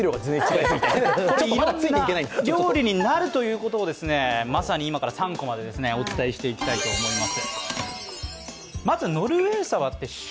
いろんな料理になるということを、まさに今から「３コマ」でお伝えしていきたいと思います。